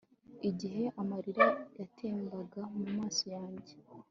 igihe amarira yatemba mu maso yanjye